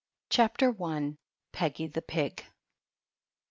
CHAPTER L PEGGY THE PIG.